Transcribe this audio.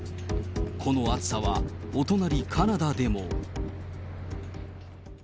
この暑さは、お隣カナダでも。